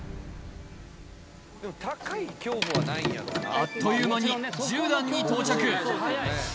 あっという間に１０段に到着